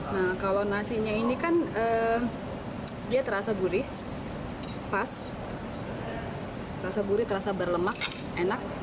nah kalau nasinya ini kan dia terasa gurih pas terasa gurih terasa berlemak enak